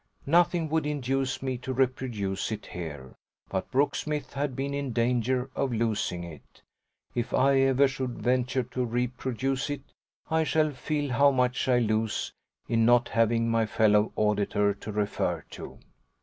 Nothing would induce me to reproduce it here, but Brooksmith had been in danger of losing it. If I ever should venture to reproduce it I shall feel how much I lose in not having my fellow auditor to refer to.